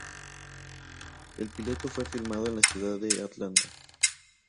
El piloto fue filmado en la ciudad de Atlanta.